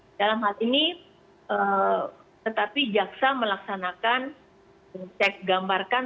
dalam hal ini tetapi jaksa melaksanakan cek gambarkan